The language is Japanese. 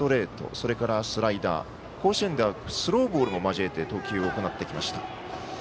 それからスライダー、甲子園ではスローボールも交えて投球を行ってきました。